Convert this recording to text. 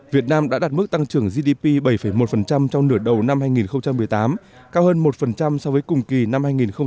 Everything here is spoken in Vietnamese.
việt nam đã đạt mức tăng trưởng gdp bảy một trong nửa đầu năm hai nghìn một mươi tám cao hơn một so với cùng kỳ năm hai nghìn một mươi bảy